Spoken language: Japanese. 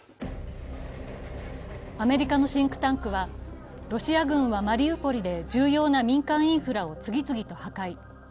アメリカのシンクタンクは、ロシア軍はマリウポリで重要な民間インフラを次々と破壊。